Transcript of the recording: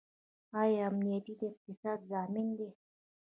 آیا امنیت د اقتصاد ضامن دی؟